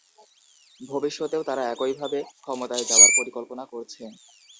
ভবিষ্যতেও তারা একইভাবে ক্ষমতায় যাওয়ার পরিকল্পনা করছে।